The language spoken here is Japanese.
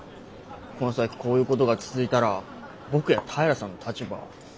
この先こういうことが続いたら僕や平さんの立場は。